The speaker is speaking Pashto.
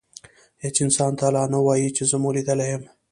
هیڅ انسان ته لا ونه وایئ چي زه مو لیدلی یم.